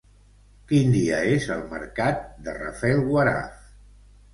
Quin dia és el mercat de Rafelguaraf?